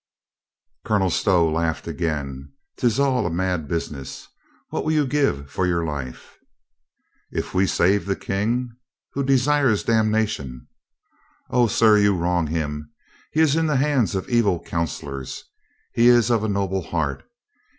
Colonel Stow laughed again. " 'Tis all a mad bus iness. What will you give for your life?" "If we save the King —" "Who desires damnation." "O, sir, you wrong him. He is in the hands of evil counselors. He is of a noble heart.